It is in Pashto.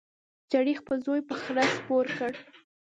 سړي خپل زوی په خره سپور کړ.